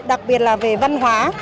đặc biệt là về văn hóa